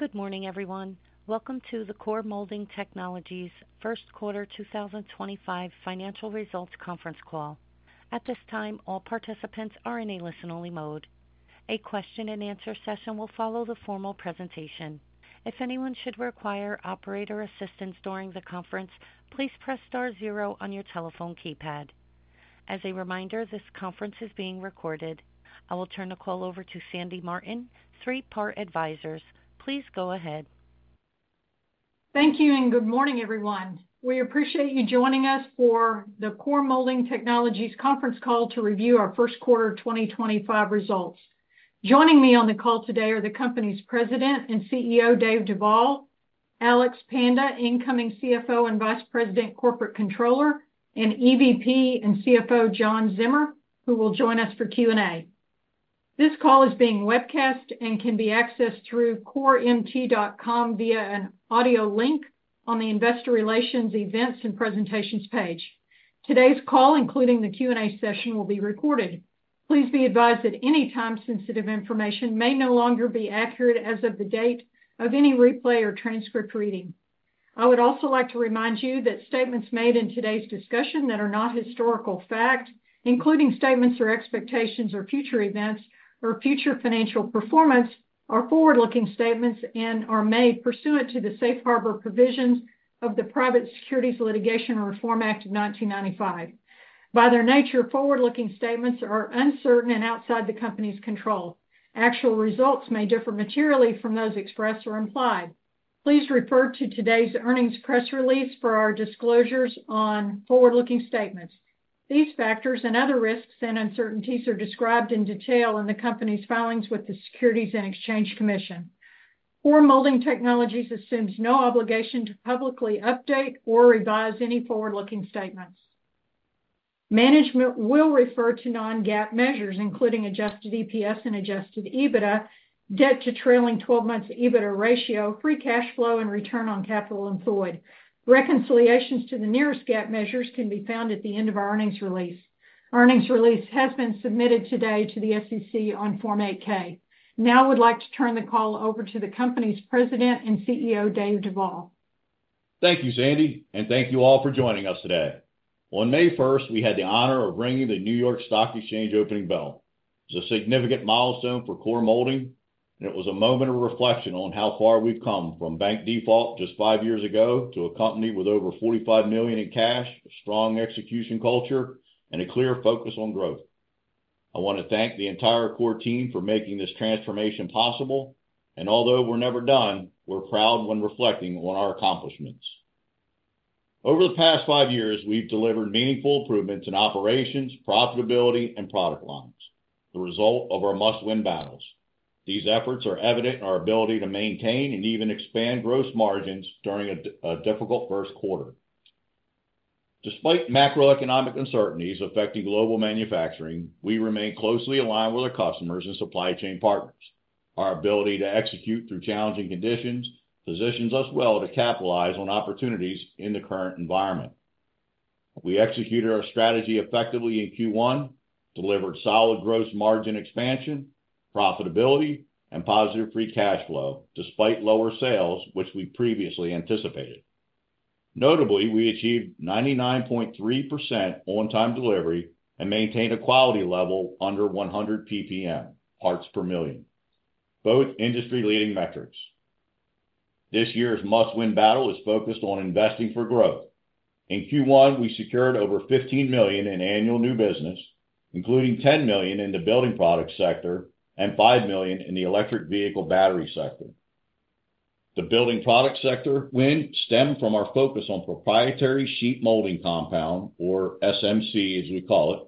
Good morning, everyone. Welcome to the Core Molding Technologies first quarter 2025 Financial Results Conference Call. At this time, all participants are in a listen-only mode. A question-and-answer session will follow the formal presentation. If anyone should require operator assistance during the conference, please press star zero on your telephone keypad. As a reminder, this conference is being recorded. I will turn the call over to Sandy Martin, Three Part Advisors. Please go ahead. Thank you and good morning, everyone. We appreciate you joining us for the Core Molding Technologies conference call to review our first quarter 2025 results. Joining me on the call today are the company's President and CEO, Dave Duvall, Alex Panda, incoming CFO and Vice President, Corporate Controller, and EVP and CFO, John Zimmer, who will join us for Q&A. This call is being webcast and can be accessed through CoreMT.com via an audio link on the investor relations events and presentations page. Today's call, including the Q&A session, will be recorded. Please be advised that any time-sensitive information may no longer be accurate as of the date of any replay or transcript reading. I would also like to remind you that statements made in today's discussion that are not historical fact, including statements or expectations or future events or future financial performance, are forward-looking statements and are made pursuant to the safe harbor provisions of the Private Securities Litigation Reform Act of 1995. By their nature, forward-looking statements are uncertain and outside the company's control. Actual results may differ materially from those expressed or implied. Please refer to today's earnings press release for our disclosures on forward-looking statements. These factors and other risks and uncertainties are described in detail in the company's filings with the Securities and Exchange Commission. Core Molding Technologies assumes no obligation to publicly update or revise any forward-looking statements. Management will refer to non-GAAP measures, including adjusted EPS and adjusted EBITDA, debt to trailing 12-month EBITDA ratio, free cash flow, and return on capital employed. Reconciliations to the nearest GAAP measures can be found at the end of our earnings release. Earnings release has been submitted today to the SEC on Form 8-K. Now I would like to turn the call over to the company's President and CEO, Dave Duvall. Thank you, Sandy, and thank you all for joining us today. On May 1, we had the honor of ringing the New York Stock Exchange opening bell. It is a significant milestone for Core Molding Technologies, and it was a moment of reflection on how far we have come from bank default just five years ago to a company with over $45 million in cash, a strong execution culture, and a clear focus on growth. I want to thank the entire Core team for making this transformation possible, and although we are never done, we are proud when reflecting on our accomplishments. Over the past five years, we have delivered meaningful improvements in operations, profitability, and product lines, the result of our must-win battles. These efforts are evident in our ability to maintain and even expand gross margins during a difficult first quarter. Despite macroeconomic uncertainties affecting global manufacturing, we remain closely aligned with our customers and supply chain partners. Our ability to execute through challenging conditions positions us well to capitalize on opportunities in the current environment. We executed our strategy effectively in Q1, delivered solid gross margin expansion, profitability, and positive free cash flow despite lower sales, which we previously anticipated. Notably, we achieved 99.3% on-time delivery and maintained a quality level under 100 parts per million, both industry-leading metrics. This year's must-win battle is focused on investing for growth. In Q1, we secured over $15 million in annual new business, including $10 million in the building products sector and $5 million in the electric vehicle battery sector. The building products sector win stemmed from our focus on proprietary Sheet Molding Compound, or SMC, as we call it,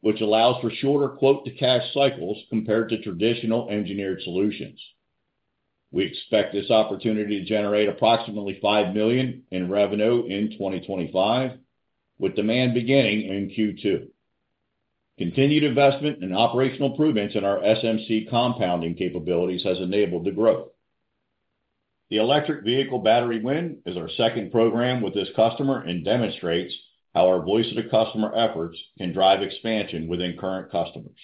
which allows for shorter quote-to-cash cycles compared to traditional engineered solutions. We expect this opportunity to generate approximately $5 million in revenue in 2025, with demand beginning in Q2. Continued investment and operational improvements in our SMC compounding capabilities have enabled the growth. The electric vehicle battery win is our second program with this customer and demonstrates how our voice-to-customer efforts can drive expansion within current customers.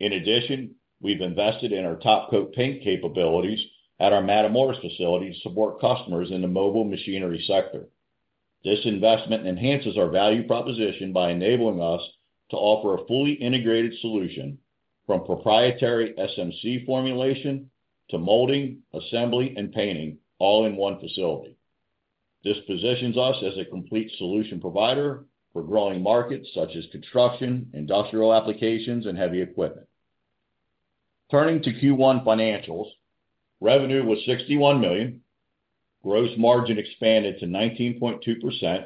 In addition, we've invested in our Topcoat Paint capabilities at our Matamoros facility to support customers in the mobile machinery sector. This investment enhances our value proposition by enabling us to offer a fully integrated solution from proprietary SMC formulation to molding, assembly, and painting all in one facility. This positions us as a complete solution provider for growing markets such as construction, industrial applications, and heavy equipment. Turning to Q1 financials, revenue was $61 million, gross margin expanded to 19.2%,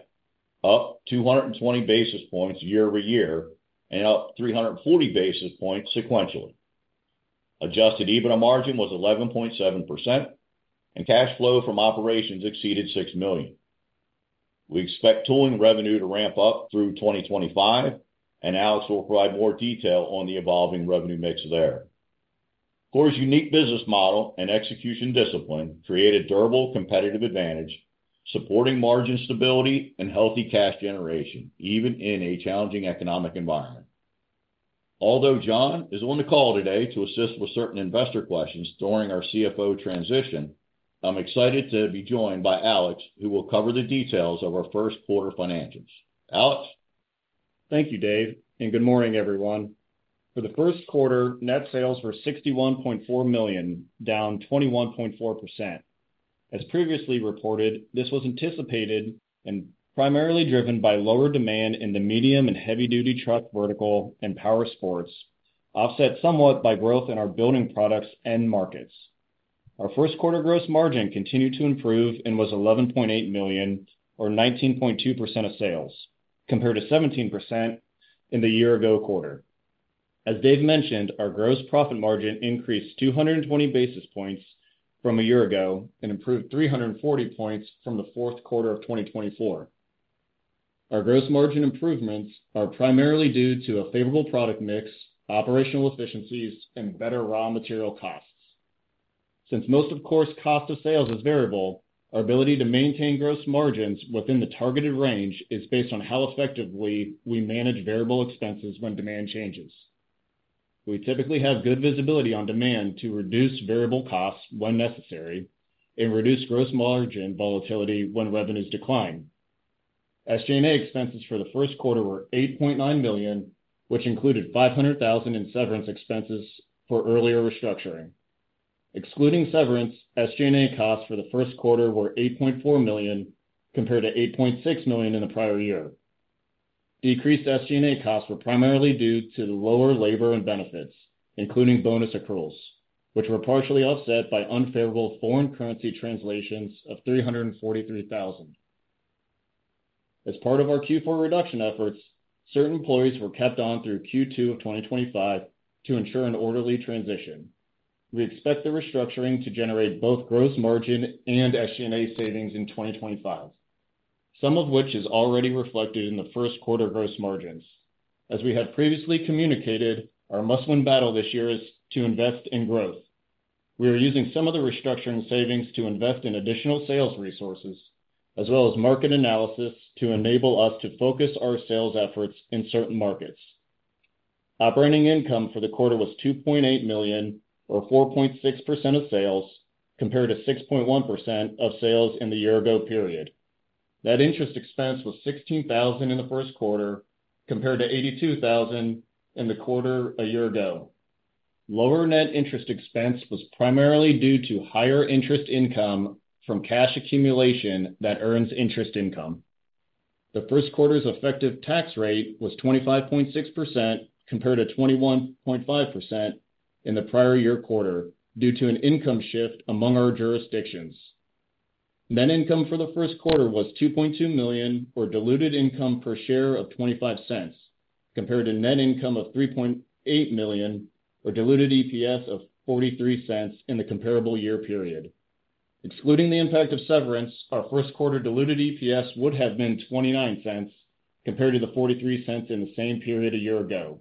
up 220 basis points year-over-year and up 340 basis points sequentially. Adjusted EBITDA margin was 11.7%, and cash flow from operations exceeded $6 million. We expect tooling revenue to ramp up through 2025, and Alex will provide more detail on the evolving revenue mix there. Core's unique business model and execution discipline create a durable competitive advantage, supporting margin stability and healthy cash generation even in a challenging economic environment. Although John is on the call today to assist with certain investor questions during our CFO transition, I'm excited to be joined by Alex, who will cover the details of our first quarter financials. Alex? Thank you, Dave, and good morning, everyone. For the first quarter, net sales were $61.4 million, down 21.4%. As previously reported, this was anticipated and primarily driven by lower demand in the medium and heavy-duty truck vertical and power sports, offset somewhat by growth in our building products and markets. Our first quarter gross margin continued to improve and was $11.8 million, or 19.2% of sales, compared to 17% in the year-ago quarter. As Dave mentioned, our gross profit margin increased 220 basis points from a year ago and improved 340 basis points from the fourth quarter of 2024. Our gross margin improvements are primarily due to a favorable product mix, operational efficiencies, and better raw material costs. Since most of Core's cost of sales is variable, our ability to maintain gross margins within the targeted range is based on how effectively we manage variable expenses when demand changes. We typically have good visibility on demand to reduce variable costs when necessary and reduce gross margin volatility when revenues decline. SG&A expenses for the first quarter were $8.9 million, which included $500,000 in severance expenses for earlier restructuring. Excluding severance, SG&A costs for the first quarter were $8.4 million, compared to $8.6 million in the prior year. Decreased SG&A costs were primarily due to lower labor and benefits, including bonus accruals, which were partially offset by unfavorable foreign currency translations of $343,000. As part of our Q4 reduction efforts, certain employees were kept on through Q2 of 2025 to ensure an orderly transition. We expect the restructuring to generate both gross margin and SG&A savings in 2025, some of which is already reflected in the first quarter gross margins. As we had previously communicated, our must-win battle this year is to invest in growth. We are using some of the restructuring savings to invest in additional sales resources, as well as market analysis to enable us to focus our sales efforts in certain markets. Operating income for the quarter was $2.8 million, or 4.6% of sales, compared to 6.1% of sales in the year-ago period. Net interest expense was $16,000 in the first quarter, compared to $82,000 in the quarter a year ago. Lower net interest expense was primarily due to higher interest income from cash accumulation that earns interest income. The first quarter's effective tax rate was 25.6%, compared to 21.5% in the prior year quarter, due to an income shift among our jurisdictions. Net income for the first quarter was $2.2 million, or diluted income per share of $0.25, compared to net income of $3.8 million, or diluted EPS of $0.43 in the comparable year period. Excluding the impact of severance, our first quarter diluted EPS would have been $0.29, compared to the $0.43 in the same period a year ago.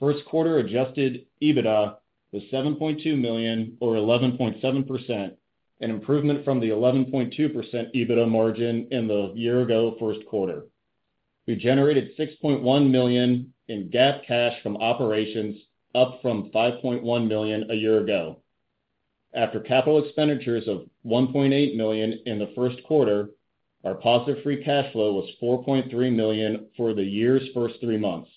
First quarter adjusted EBITDA was $7.2 million, or 11.7%, an improvement from the 11.2% EBITDA margin in the year-ago first quarter. We generated $6.1 million in GAAP cash from operations, up from $5.1 million a year ago. After capital expenditures of $1.8 million in the first quarter, our positive free cash flow was $4.3 million for the year's first three months.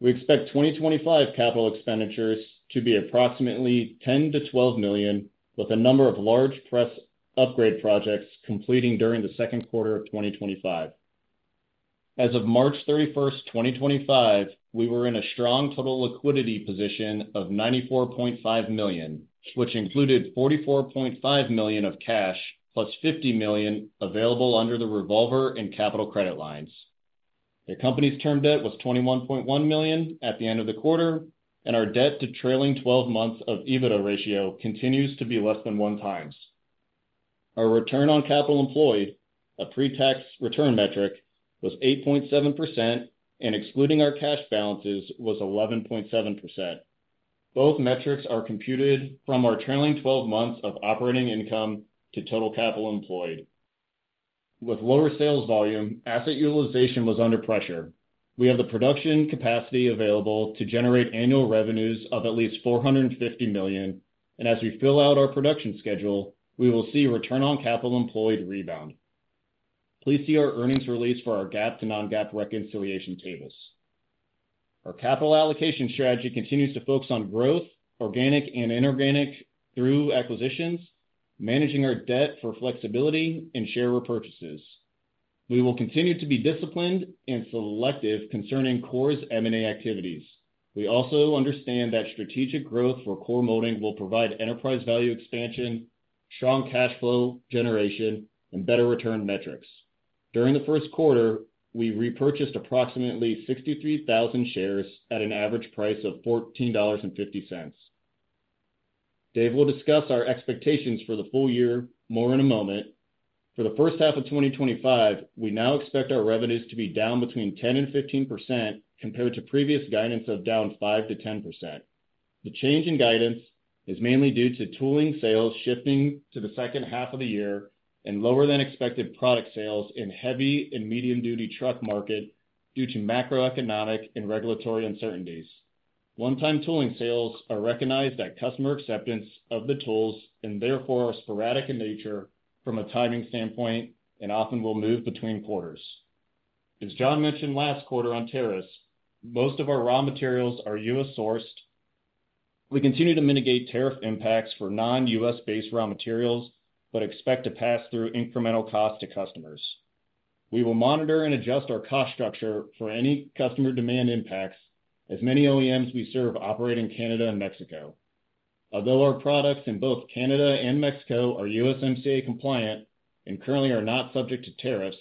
We expect 2025 capital expenditures to be approximately $10-$12 million, with a number of large press upgrade projects completing during the second quarter of 2025. As of March 31, 2025, we were in a strong total liquidity position of $94.5 million, which included $44.5 million of cash plus $50 million available under the revolver and capital credit lines. The company's term debt was $21.1 million at the end of the quarter, and our debt to trailing 12 months of EBITDA ratio continues to be less than one times. Our return on capital employed, a pre-tax return metric, was 8.7%, and excluding our cash balances, was 11.7%. Both metrics are computed from our trailing 12 months of operating income to total capital employed. With lower sales volume, asset utilization was under pressure. We have the production capacity available to generate annual revenues of at least $450 million, and as we fill out our production schedule, we will see return on capital employed rebound. Please see our earnings release for our GAAP to non-GAAP reconciliation tables. Our capital allocation strategy continues to focus on growth, organic and inorganic through acquisitions, managing our debt for flexibility and share repurchases. We will continue to be disciplined and selective concerning Core's M&A activities. We also understand that strategic growth for Core Molding will provide enterprise value expansion, strong cash flow generation, and better return metrics. During the first quarter, we repurchased approximately 63,000 shares at an average price of $14.50. Dave will discuss our expectations for the full year more in a moment. For the first half of 2025, we now expect our revenues to be down between 10% and 15% compared to previous guidance of down 5% to 10%. The change in guidance is mainly due to tooling sales shifting to the second half of the year and lower-than-expected product sales in heavy and medium-duty truck market due to macroeconomic and regulatory uncertainties. One-time tooling sales are recognized at customer acceptance of the tools and therefore are sporadic in nature from a timing standpoint and often will move between quarters. As John mentioned last quarter on tariffs, most of our raw materials are U.S. sourced. We continue to mitigate tariff impacts for non-U.S.-based raw materials, but expect to pass through incremental costs to customers. We will monitor and adjust our cost structure for any customer demand impacts, as many OEMs we serve operate in Canada and Mexico. Although our products in both Canada and Mexico are USMCA compliant and currently are not subject to tariffs,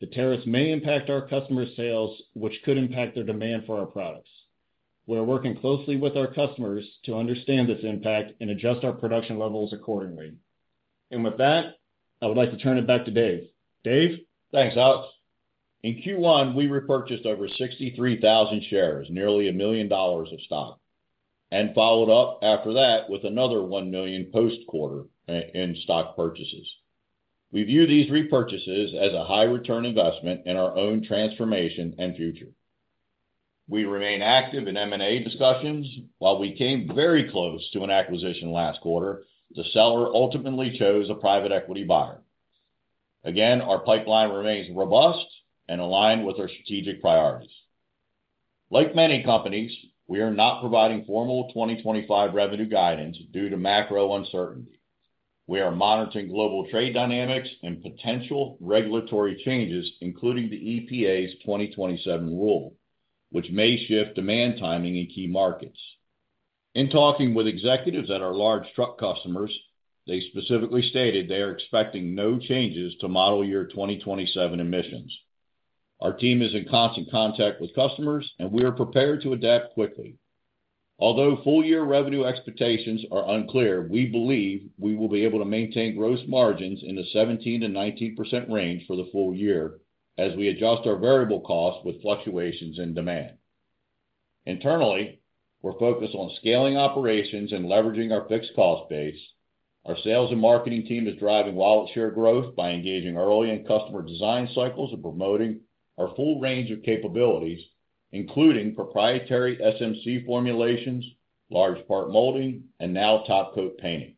the tariffs may impact our customers' sales, which could impact their demand for our products. We are working closely with our customers to understand this impact and adjust our production levels accordingly. I would like to turn it back to Dave. Dave? Thanks, Alex. In Q1, we repurchased over 63,000 shares, nearly $1 million of stock, and followed up after that with another $1 million post-quarter in stock purchases. We view these repurchases as a high-return investment in our own transformation and future. We remain active in M&A discussions. While we came very close to an acquisition last quarter, the seller ultimately chose a private equity buyer. Again, our pipeline remains robust and aligned with our strategic priorities. Like many companies, we are not providing formal 2025 revenue guidance due to macro uncertainty. We are monitoring global trade dynamics and potential regulatory changes, including the EPA's 2027 rule, which may shift demand timing in key markets. In talking with executives at our large truck customers, they specifically stated they are expecting no changes to model year 2027 emissions. Our team is in constant contact with customers, and we are prepared to adapt quickly. Although full-year revenue expectations are unclear, we believe we will be able to maintain gross margins in the 17%-19% range for the full year as we adjust our variable costs with fluctuations in demand. Internally, we're focused on scaling operations and leveraging our fixed cost base. Our sales and marketing team is driving wallet share growth by engaging early in customer design cycles and promoting our full range of capabilities, including proprietary SMC formulations, large part molding, and now Topcoat Paint.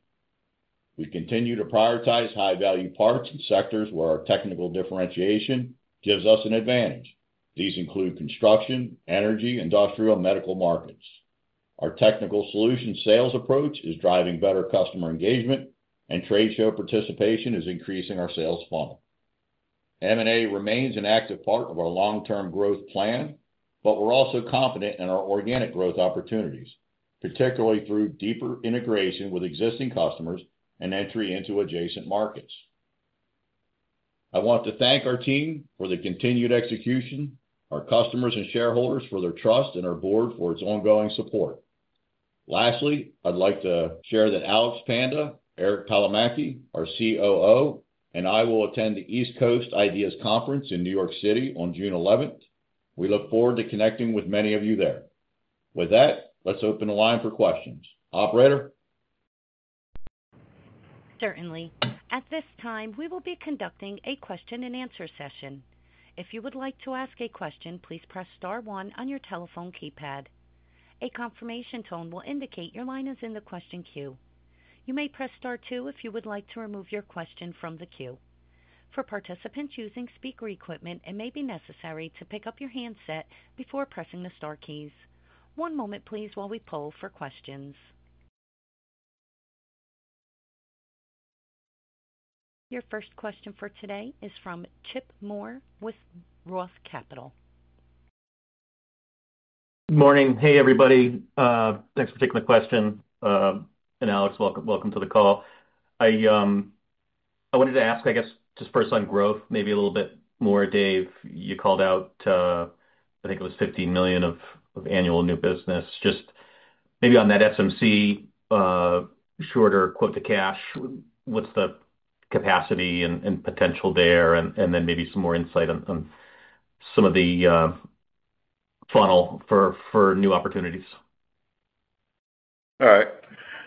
We continue to prioritize high-value parts and sectors where our technical differentiation gives us an advantage. These include construction, energy, industrial, and medical markets. Our technical solution sales approach is driving better customer engagement, and trade show participation is increasing our sales funnel. M&A remains an active part of our long-term growth plan, but we're also confident in our organic growth opportunities, particularly through deeper integration with existing customers and entry into adjacent markets. I want to thank our team for the continued execution, our customers and shareholders for their trust, and our board for its ongoing support. Lastly, I'd like to share that Alex Panda, Eric Palomaki, our COO, and I will attend the East Coast Ideas Conference in New York City on June 11th. We look forward to connecting with many of you there. With that, let's open the line for questions. Operator? Certainly. At this time, we will be conducting a question-and-answer session. If you would like to ask a question, please press Star 1 on your telephone keypad. A confirmation tone will indicate your line is in the question queue. You may press Star 2 if you would like to remove your question from the queue. For participants using speaker equipment, it may be necessary to pick up your handset before pressing the Star keys. One moment, please, while we poll for questions. Your first question for today is from Chip Moore with Roth Capital. Good morning. Hey, everybody. Thanks for taking the question. Alex, welcome to the call. I wanted to ask, I guess, just first on growth, maybe a little bit more, Dave. You called out, I think it was $15 million of annual new business. Just maybe on that SMC shorter quote to cash, what's the capacity and potential there, and then maybe some more insight on some of the funnel for new opportunities? All right.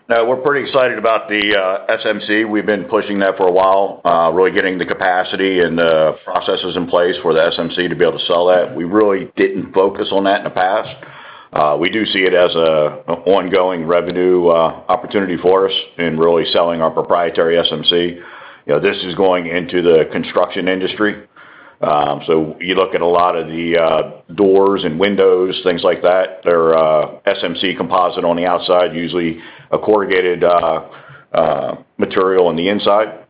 Now, we're pretty excited about the SMC. We've been pushing that for a while, really getting the capacity and the processes in place for the SMC to be able to sell that. We really did not focus on that in the past. We do see it as an ongoing revenue opportunity for us in really selling our proprietary SMC. This is going into the construction industry. You look at a lot of the doors and windows, things like that. They are SMC composite on the outside, usually a corrugated material on the inside.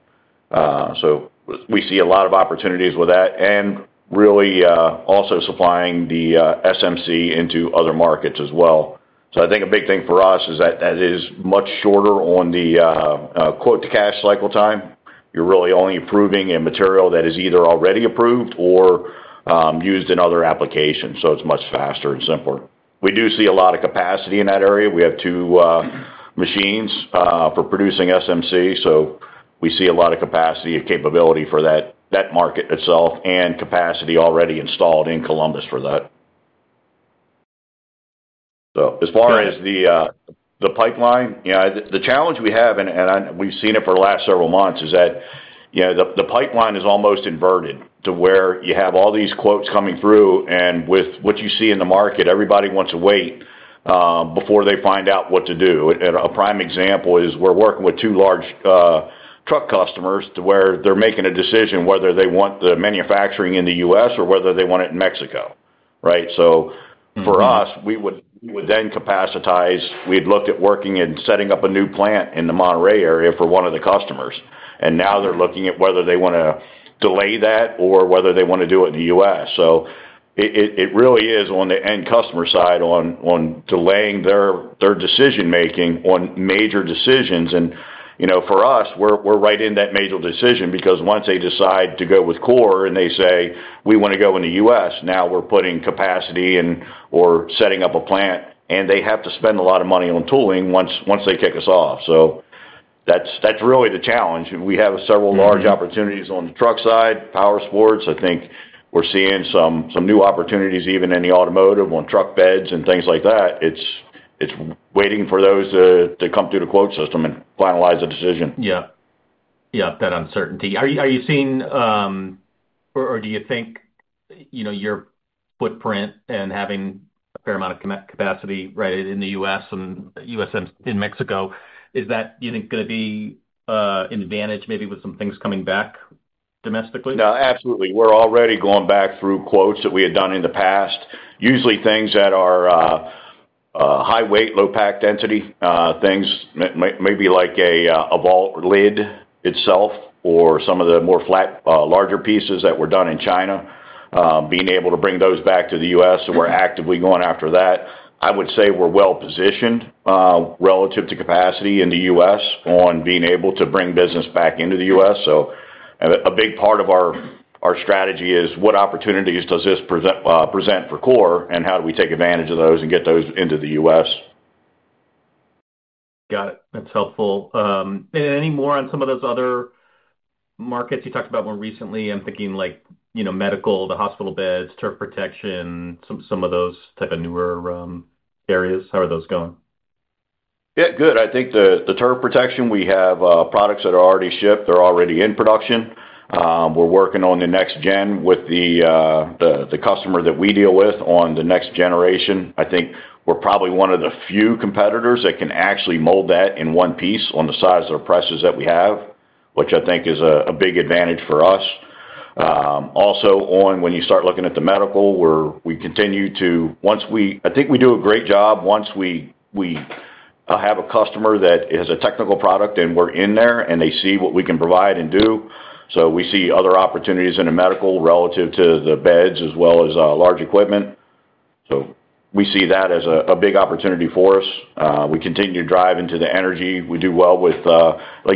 We see a lot of opportunities with that and really also supplying the SMC into other markets as well. I think a big thing for us is that that is much shorter on the quote to cash cycle time. You're really only approving a material that is either already approved or used in other applications. It is much faster and simpler. We do see a lot of capacity in that area. We have two machines for producing SMC. We see a lot of capacity and capability for that market itself and capacity already installed in Columbus for that. As far as the pipeline, the challenge we have, and we've seen it for the last several months, is that the pipeline is almost inverted to where you have all these quotes coming through, and with what you see in the market, everybody wants to wait before they find out what to do. A prime example is we're working with two large truck customers to where they're making a decision whether they want the manufacturing in the U.S. or whether they want it in Mexico, right? For us, we would then capacitize. We had looked at working and setting up a new plant in the Monterey area for one of the customers. Now they're looking at whether they want to delay that or whether they want to do it in the U.S. It really is on the end customer side on delaying their decision-making on major decisions. For us, we're right in that major decision because once they decide to go with Core and they say, "We want to go in the U.S.," now we're putting capacity or setting up a plant, and they have to spend a lot of money on tooling once they kick us off. That's really the challenge. We have several large opportunities on the truck side, power sports. I think we're seeing some new opportunities even in the automotive on truck beds and things like that. It's waiting for those to come through the quote system and finalize a decision. Yeah. Yeah, that uncertainty. Are you seeing or do you think your footprint and having a fair amount of capacity right in the U.S. and U.S. in Mexico, is that, do you think, going to be an advantage maybe with some things coming back domestically? No, absolutely. We're already going back through quotes that we had done in the past, usually things that are high weight, low pack density, things maybe like a vault lid itself or some of the more flat, larger pieces that were done in China, being able to bring those back to the U.S. We're actively going after that. I would say we're well positioned relative to capacity in the U.S. on being able to bring business back into the U.S. A big part of our strategy is what opportunities does this present for Core and how do we take advantage of those and get those into the U.S. Got it. That's helpful. Any more on some of those other markets you talked about more recently? I'm thinking like medical, the hospital beds, turf protection, some of those type of newer areas. How are those going? Yeah, good. I think the turf protection, we have products that are already shipped. They're already in production. We're working on the next gen with the customer that we deal with on the next generation. I think we're probably one of the few competitors that can actually mold that in one piece on the size of the presses that we have, which I think is a big advantage for us. Also, when you start looking at the medical, we continue to, I think we do a great job once we have a customer that has a technical product and we're in there and they see what we can provide and do. We see other opportunities in the medical relative to the beds as well as large equipment. We see that as a big opportunity for us. We continue to drive into the energy. We do well with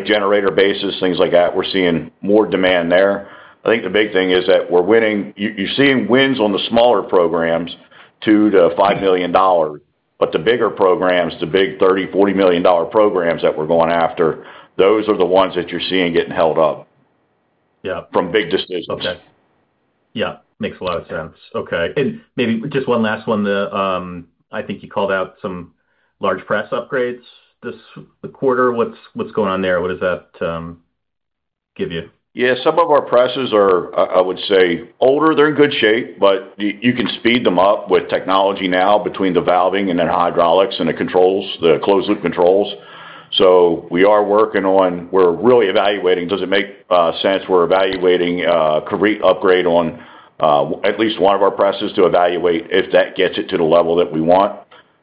generator bases, things like that. We're seeing more demand there. I think the big thing is that we're winning. You're seeing wins on the smaller programs, $2 million-$5 million. The bigger programs, the big $30 million-$40 million programs that we're going after, those are the ones that you're seeing getting held up from big decisions. Yeah. Makes a lot of sense. Okay. Maybe just one last one. I think you called out some large press upgrades this quarter. What's going on there? What does that give you? Yeah. Some of our presses are, I would say, older. They're in good shape, but you can speed them up with technology now between the valving and then hydraulics and the controls, the closed-loop controls. We are working on, we're really evaluating, does it make sense? We're evaluating a complete upgrade on at least one of our presses to evaluate if that gets it to the level that we want.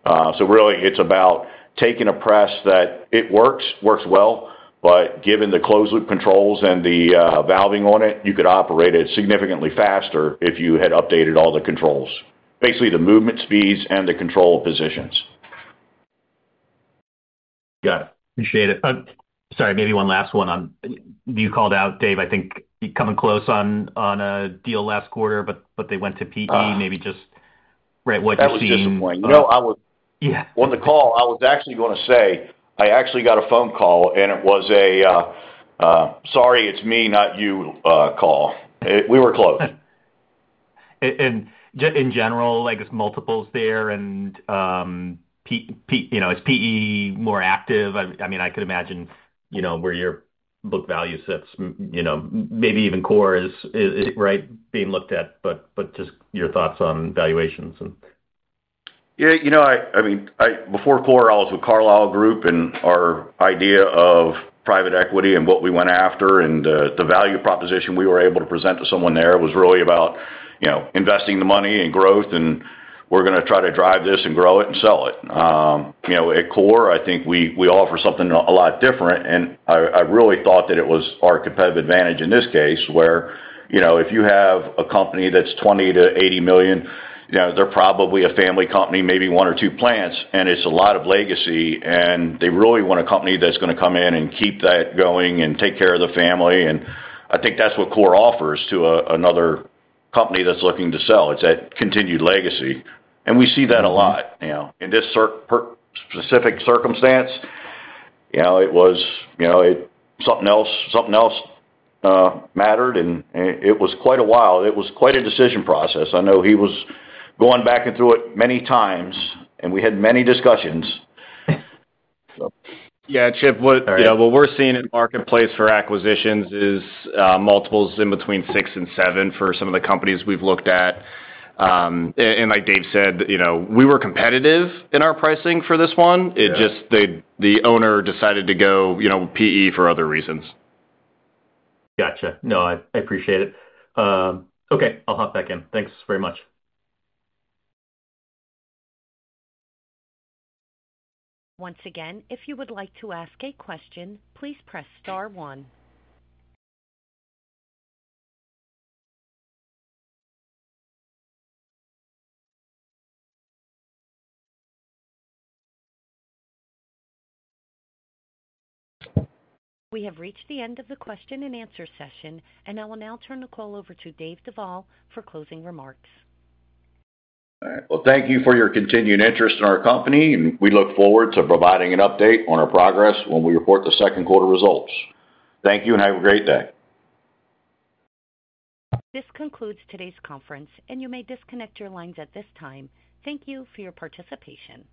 Really, it's about taking a press that works, works well, but given the closed-loop controls and the valving on it, you could operate it significantly faster if you had updated all the controls, basically the movement speeds and the control positions. Got it. Appreciate it. Sorry, maybe one last one on, you called out, Dave, I think coming close on a deal last quarter, but they went to PE, maybe just right what you're seeing. I was just at this point. You know, I was on the call, I was actually going to say, I actually got a phone call, and it was a, "Sorry, it's me, not you," call. We were close. In general, like it's multiples there and is PE more active? I mean, I could imagine where your book value sits, maybe even Core is right being looked at, but just your thoughts on valuations and. Yeah. You know, I mean, before Core, I was with Carlyle Group and our idea of private equity and what we went after and the value proposition we were able to present to someone there was really about investing the money and growth, and we're going to try to drive this and grow it and sell it. At Core, I think we offer something a lot different. I really thought that it was our competitive advantage in this case where if you have a company that's $20 million-$80 million, they're probably a family company, maybe one or two plants, and it's a lot of legacy, and they really want a company that's going to come in and keep that going and take care of the family. I think that's what Core offers to another company that's looking to sell. It's that continued legacy. We see that a lot. In this specific circumstance, it was something else mattered, and it was quite a while. It was quite a decision process. I know he was going back and through it many times, and we had many discussions. Yeah. Chip, what we're seeing in the marketplace for acquisitions is multiples in between 6 and 7 for some of the companies we've looked at. Like Dave said, we were competitive in our pricing for this one. It's just the owner decided to go PE for other reasons. Gotcha. No, I appreciate it. Okay. I'll hop back in. Thanks very much. Once again, if you would like to ask a question, please press Star 1. We have reached the end of the question and answer session, and I will now turn the call over to Dave Duvall for closing remarks. All right. Thank you for your continued interest in our company, and we look forward to providing an update on our progress when we report the second quarter results. Thank you and have a great day. This concludes today's conference, and you may disconnect your lines at this time. Thank you for your participation.